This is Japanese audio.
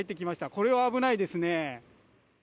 これは危ないですね。